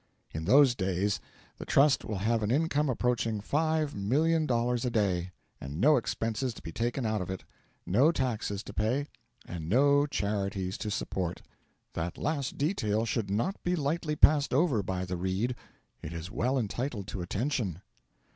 In those days the Trust will have an income approaching $5,000,000 a day, and no expenses to be taken out of it; no taxes to pay, and no charities to support. That last detail should not be lightly passed over by the reader; it is well entitled to attention.